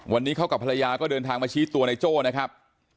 วันนี้เขากับภรรยาก็เดินทางมาชี้ตัวในโจ้นะครับ